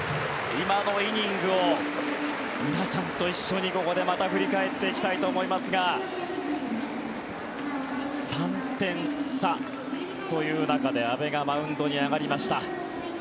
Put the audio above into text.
今のイニングを皆さんと一緒にここでまた振り返っていきたいと思いますが３点差という中で阿部がマウンドに上がりました。